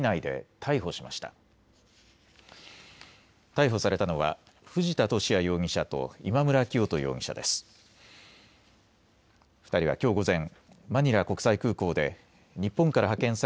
逮捕されたのは藤田聖也容疑者と今村磨人容疑者です。